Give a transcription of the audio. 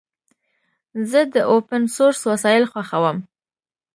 زه د اوپن سورس وسایل خوښوم.